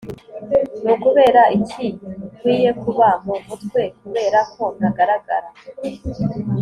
ni ukubera iki nkwiye kuba mu mutwe kubera ko ntagaragara